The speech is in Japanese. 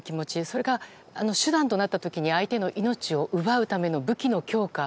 それが手段となった時に相手の命を奪うための武器の強化。